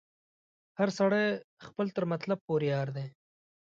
هر سړی خپل تر مطلب پوري یار دی